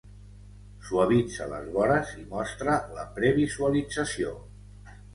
Suavitza les vores i mostra la previsualització.